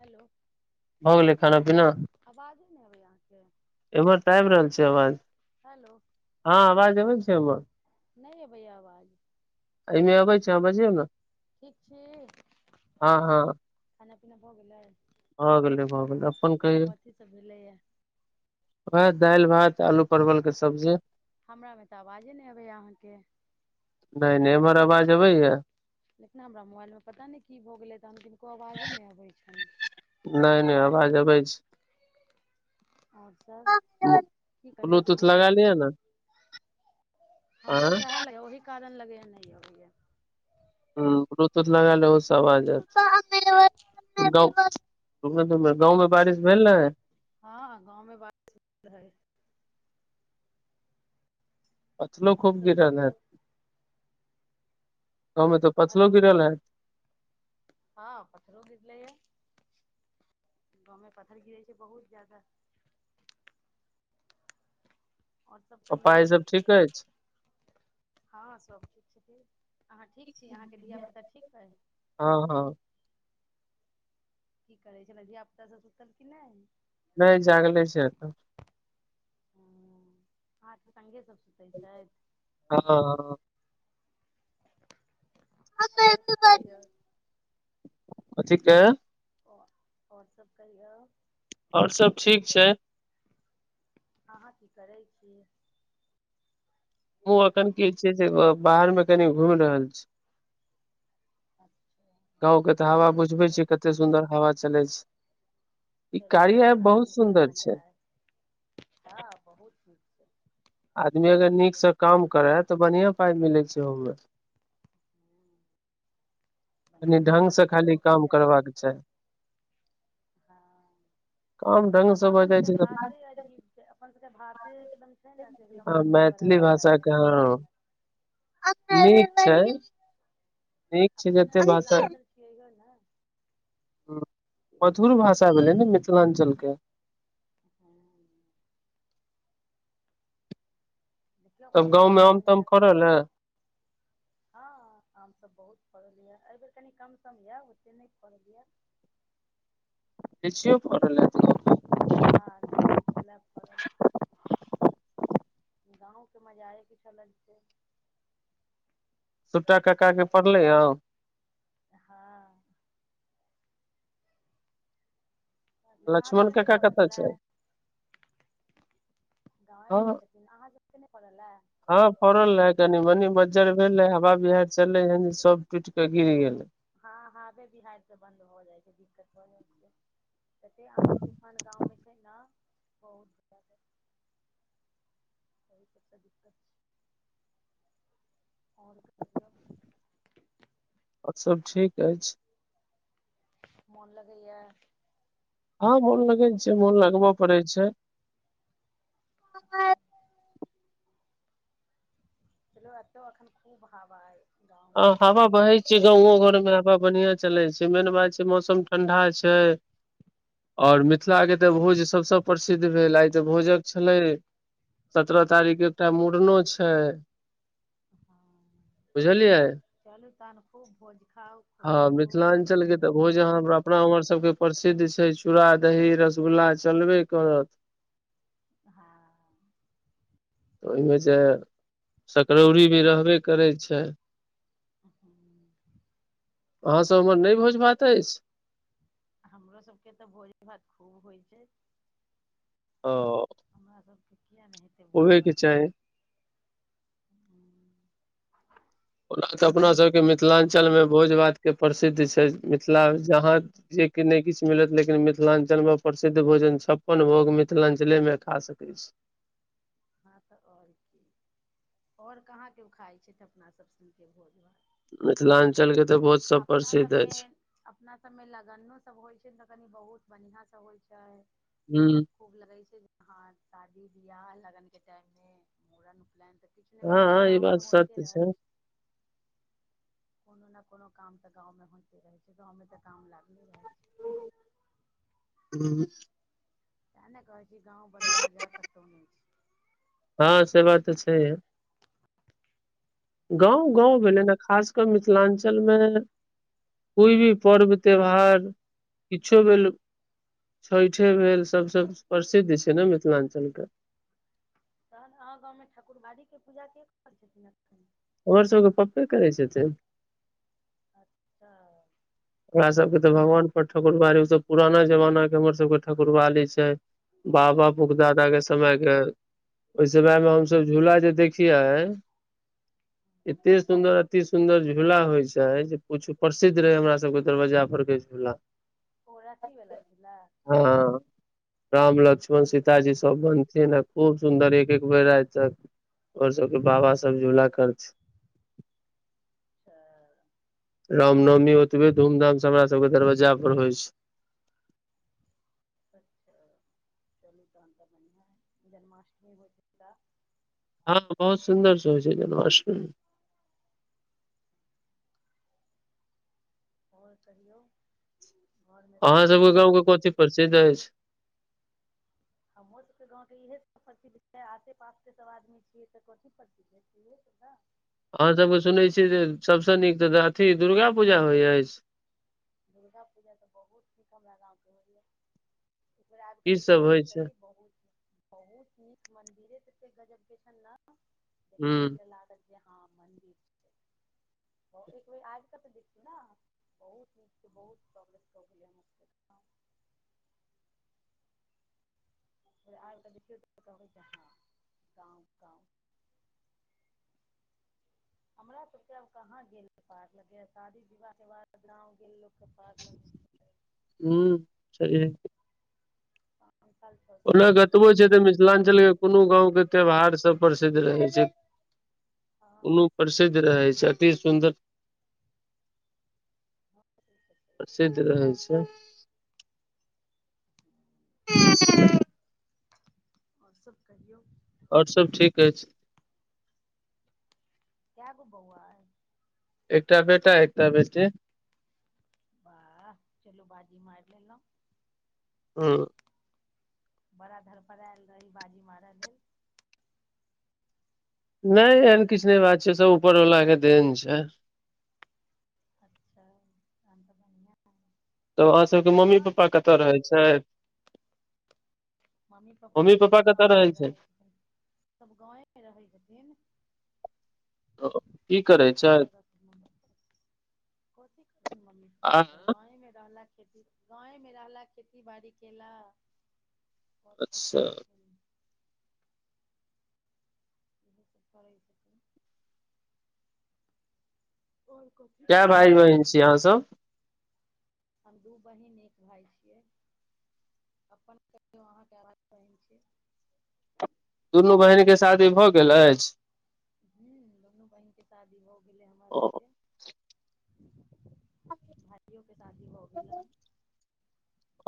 Hello हो गेलै खाना पीना? आवाजे ने हबै यहाँके। एहर तऽ आबि रहल छै आवाज। हेलो हँ [unintelligible] आवाज अबै छै हमर नहि य भै आवाज एहिमे अबै छै अहाँ बजियौ ने [unintelligible] ठीक छी हँ हँ-हँ हँ खाना पीना भऽ गेलै? भऽ गेलै, भऽ गेलै। अपनन कहियौ? कथी सब भेलैए वएह दालि भात आलू परवल के सब्जी। हमरा मे तऽ आवाजे नहि अबैय अहाँके। नहि नहि एमहर आवाज अबैय? देखिना हमरा मोबाइल मे पता नहि की भ गेलै तहन किनको आवाजे नै अबै छैन। नहि नहि आवाज अबै छै। और सभ की करै ब्लूटूथ छिय? लगा लिअ ने हमरो आंय सेह लगय ओहि कारण लगय नै आबय य ह ब्लूटूथ लगा लिय ओहू से अवाज [unintelligible] आयत गाँंव मे बारिश भेल ने? हँ गाँव मे बारिश भेल हय। पथरो आओर खूब सब गिरल कहियौ हन। गाँवमे त पथरो हेलो गिरल हं। हँ पथरो गिरले ह गाँवमे पथर गिरे छै बहुत ज़्यादा। और सभ पप्पा कहियौ? ई सब ठीक अछि [unintelligible] हँ सभ ठीक छथिन। अहाँ ठीक छी अहाँके धियापुता ठीक अइ? हँ-हँ की करै छलै धियापुता सब सुतल कि नहि? नहि जागले। ह अहाँके सङ्गे सभ सुतै छथि? ह ह [unintelligible] और कहियो? कथी के [unintelligible] आ और सभ कहियो? सब ठीक छै। अहाँ की करै छी? हमहूँ एखन की छै से बाहर मे कनि घुमि रहल छी। गाँव के तऽ हवा बुझबै छियै चलू कते सुन्दर हवा चलै छै। ई चलू कार्या तहन ऐप बहुत अहीँके तऽ सुन्दर मजा छै। अइ हँ बहुत सुन्दर। आदमी अगर नीक सँ काम करै तऽ बढ़िआँ पाइ मिलै छै ओयमे हू कनि ढ्ंग से खाली करहोके काम करबाक चाही। ह काम ढंग से अपन भऽ जाइ सबके छै तऽ भाषे अजीब छै अपन सबके भाषे एकदम छै ने एकदम हँ मधुर वाला मैथिली भाषा छै। मैथिली हँ भाषा [unintelligible] नीक छै नीक छै अपना सब जते भाषा [unintelligible] ह मिथिलाञ्चल छियै यौ ने मधुर भाषा भेलै न मिथिलाञ्चलके हं देखियौ तब खुदके गाँवमे आम भाषामे ताम कते फरड़ल दम है? हँ आमसभ बहुत फड़ल यऽ एहिबेर कनि कम सम यऽ ओतेक नहि फड़ल यऽ। [unintelligible] लिच्ची यो फड़ल यऽ हँ लीच्ची छलै फड़ल। गाँंव के मजाये किछो अलग छै। छोटा काका के फड़लै आम? हँ। आहाँ सब लक्ष्मण के नै कका फड़ल कतऽ छै छलाह। [inaudible] गाँवे मे हँ छथिन अहाँ सबके नय फड़लय। हँ फड़ल रहे कनी मनी मज्जर भेलै हवा बिहायर चललै ह सब टुईट कऽ गिर गेलै। हँ हँ हाबे बिहायर सँ बन्द भजाइ छै दिक्कत भ जाइ छै। कते आंधी तूफान गाँव में छै नऽ बहुत ज्यादा। बहुत अच्छा दिक्कत छै और कहियो। और सब ठीक अछि। मोन लगैया। हँ मोन लगै छै मोन लगबय पड़ै छै। चलु एतै एखन खूब हावा अइ गाँवमे। बढ़ बढ़िया चलै छै मेन बात छै मौसम ठंडा छै। आओर मिथिला के तऽ भोज सभसँ। प्रसिद्ध भेल आइ तऽ भोजक छलै सत्रह तारीख के एकटा मुड़नो छै। हँ। बुझलियै। चलू तहन खूब भोज खाउ। खूब हँ देखू मिथिलाञ्चल के तऽ मूड़न भोज अहाँ उपनयन हमरा अपना उम्हर सबके प्रसिद्ध छै चूड़ा दही रसगुल्ला चलबे करत। हँ। ओहिमे जे सकरौरी भी रहबे करै छै। आ अहाँसभ उम्हर नहि भोज भात अछि? हमरो सबके तऽ भोज भात खूब होइ छै। ओ। हमरा सबके किया नहि हेतै। भोज होबहे के भात चाही। ओना तऽ अपना सबके मिथिलाञ्चलमे भोज भात के प्रसिद्ध छै मिथिला जहाँ जे कि नहि किछ मिलत लेकिन मि मिथिलांचल मे प्रसिद्ध भोजन छप्पन भोग मिथिलाञ्चले मे खा सकैत छी। हँ तऽ आओर की आओर कहाँ केओ खाइ छथि अपना सभ सुनके भोज भात। मिथिलाञ्चल के तऽ बहुत सब अपना प्रसिद्ध सबमे अछि। अपना सभमे लगनोसभ होइ छै तऽ कनि बहुत बढ़िआँ सँ होइ छै। हूँ। खूब लगै छै हाँ शादी बियाह लगन के टाइम में मुड़न उपनयन किछ न किछ हँ तऽ हँ ई बात गाँवमे होइते सत्य रहै छै। कोनो ने कोनो काम तऽ गाँवमे होइते रहै छै गाँवमे तऽ काम लागले रहै छै। हू। तए नऽ कहै छी गाँवबला मजा कतहु नहि छै। हँ से बात तऽ छै आओर गाँव-गाँव भेलै ने। खास कऽ मिथिलाञ्चलमे कोइ भी पर्व त्यौहार किछो भेल छठे भेल सभसँ प्रसिद्ध छै ने मिथिलाञ्चलके? तहन अहाँ गाँवमे ठाकुरबारीके पूजा के करै छथिन एखन? हमर सबके पपे करै छथिन। अच्छा हमरा तहन सबके तऽ बढ़ियां भगवान छै पर ठकुरबाली ओ त पुराना जमाना के हमर सबके ठकुरबाली छै। बाबा फुग दादा के समयके ओहि समय मे हमस झूला जे देखियए एते सुन्दर अति सुंन्दर झूला होइ छै जे पूछ प्रसिद्ध रहे हमरा सब सबके दरबजा फर भेज दिया। ओ रशी बला छिला। हँ राम लक्ष्मण सीताजी अच्छा सब बनथि ने खूब सुन्दर एक एक बेर आइ तक और सबके बाबा सब झूला करथि। अच्छा रामनवमी ओतबे धूमधाम से हमरा सबके दरवजा पर होइ छै। [unintelligible] अच्छा चोली तान त बनआ है जन्माष्टमी हो ज हँ बहुत सुन्दर से होइ छै जन्माशट्रम। आओर कहि घरमे सभचीज? सध अछि छै। हमरो सबके गाँंव के इहे सब प्रसिद्ध छै आसे पास के सब आदमी छियै तऽ कथी प्रसद्। [unintelligible] सुधा। अहाँसभके सुनैत छियै जे सभसँ नीक तऽ अथ दुर्गा पूजा होइत अछि। दुर्गा पूजा तऽ बहुत नीक हमरा गाँवके होइयए। फर आब कऽ की सब देखियौ होइ तऽ छै सही बहुत। बहुत नीक मंदिरे तत गजल के छ ने हुँ देखबे त लागल जेहाँ मन्दिर छै [unintelligible] एक बेर आब कऽ तऽ देखौ ने। बहुत नीक के बहुत प्रॉब्लम सब हो हम [unintelligible] आब कऽ देखियौ कह जा गाव गाँव हमरा सब के आब कहाँ गेल पारक लगे शादी विवाह के बाद गाँंव गेल के पार्क लग। हू सही। ह ओना कतबो छै तऽ मिथिलाञ्चलके कोनो गाँवके त्यौहारसभ प्रसिद्ध रहै छै। हँ ओनो से तऽ प्रसिद्ध रहै छै अति सुन्दर छै [unintelligible] प्रसिद्ध रहै छै। हू ह। आओर सब कहियौ? आओर सब ठीक अछि। के गो बौआ अय? एकटा बेटा, एकटा बेटी। वाह चलू बाजी मारि लेलहुँ। ह। बड़ा धर पर आयल रही बाजी मारय लेल। नहि एहन किछु नहि बात छै सब ऊपर वालला के देन छै। अच्छा तन तऽ बढ़िआँ ह। तऽ अहाँ सबके मम्मी पापा कतऽ रहै छथि। मम्मी पप्पा सब, सब गामे मे छै रहै छथिन, सब गामे मे रहै छथिन। [inaudible] करै क छैथ [unintelligible] कथी के मम्मी पप्पा आ सब गामे मे रहला खेती। गावेमे रहला खेती बाड़ी केला आओर की अच्छा करथिन। उहुं करै छथिन। World cup. [unintelligible] कय भाय बहिन छियै अहाँ सब? हम दू बहिन एक भाय छियै। अपन कहियौ अहाँ कय भाई बहिन छियै। दुनू बहिन के शादी भऽ गेल अछि। हुं दुनू बहिन के शादी गेल अइ हमरा ओ सबके। भाइयों के शादी भ गेलैन।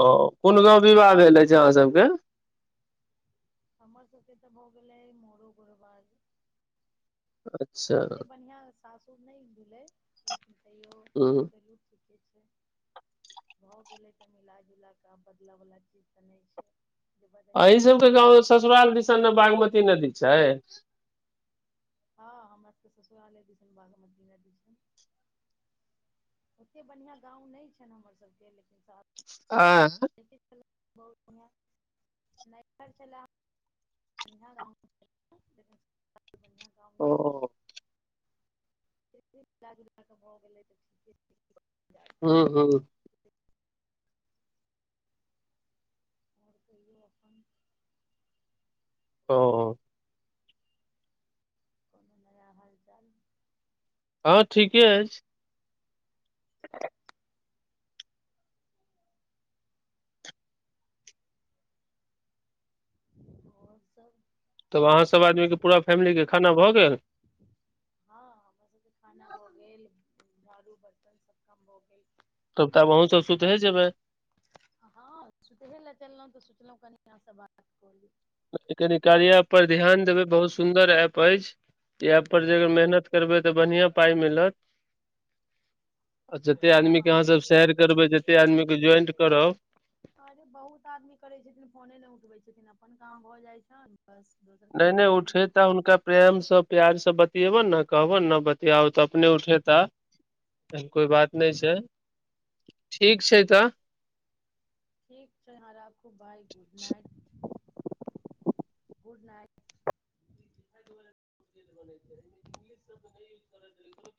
ओ, कोन गाँव विवाह भेल अछि अहाँ सबके? हमर सबके तऽ भऽ गेलै मोरू गुरबाज। अच्छा। ओते बढ़ियां सासुर नै भेलै लेकिन तैयो हुं। चलु ठीकै छै। भऽ गेलै तऽ मिलाजुल कऽ आब बदलै वला चीज तऽ नहि छै। जे अहीं बदलियै सबके गाँव मे ससुराल दिसन ने बागमती नदी छै। हँ हमरा सबके ससुरालज दिसन बागमती नदी छै। ओतेक बढ़िआँ गांव नहि छै ने हमरसभके लेकिन सा एंह। बहुत बढ़िआँ। [unintelligible] नहिहर छलए बँ गाँ। [unintelligible] बढ़िआँ गाम ओ नहि भेल। एतै मिला जुलाकऽ भऽ गेलै तऽ ठीके छै। हू हू। आओर कहियौ अपन। ओ। कोनो नया हालचाल। हँ ठीके अछि। [inaudible] आओर सब। तब अहाँ सभ आदमीके पूरा फैमिलीके खाना भऽ गेल। हँ हमर सबके खाना भऽ गेल झाड़ू बर्तन सब काम भऽ गेल। तब त आब अहुँ सब सुतिहे जेबै। हँ सुतहे लए चललहुँ तऽ सोचलहुँ कनि अहांसँ बात क ली। कनि कार्या पर ध्यान देबै बहुत सुन्दर ऐप अछि। ई एप पर जे अगर मेहनत करबै तऽ बढ़िआं पाइ मिलत। आ जते आदमी के हं। अहाँ सब शेयर करबै जते आदमी के ज्वाइंट करब अरे बहुत आदमी करै छथिन फोने नहि उठबै छथिन, अपन काम भऽ जाइ छनि बस दोसर नहि नहि उठेता हुनका प्रेम से प्यार से बतियेबनि ने कहबनि ने बतियाउ तऽ अपने उठेता। कोइ बात नहि छै ठीक छै तऽ। ठीक छै यहाँ राखू bye good night. Good night. िश [unintelligible]